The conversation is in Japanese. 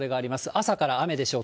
朝から雨でしょう。